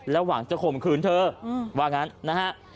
หวังจะข่มขืนเธอว่างั้นนะฮะ